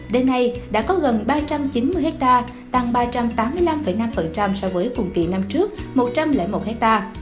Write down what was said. đêm nay đã có gần ba trăm chín mươi ha tăng ba trăm tám mươi năm năm so với cùng kỷ năm trước một trăm linh một ha